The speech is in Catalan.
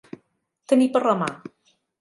Tenir per la mà.